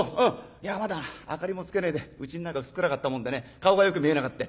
いやまだ明かりもつけねえでうちん中薄暗かったもんでね顔がよく見えなくって。